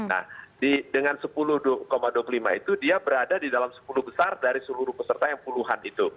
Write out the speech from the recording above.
nah dengan sepuluh dua puluh lima itu dia berada di dalam sepuluh besar dari seluruh peserta yang puluhan itu